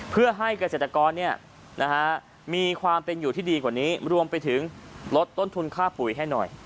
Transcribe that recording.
เพื่อให้เกษตรกรมีความเป็นอยู่ที่ดีกว่านี้รวมไปถึงลดต้นทุนค่าปุ๋ยให้หน่อย